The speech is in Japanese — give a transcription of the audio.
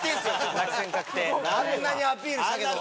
あんなにアピールしたけど。